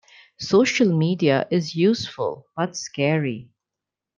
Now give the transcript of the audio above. Social media is useful, but scary.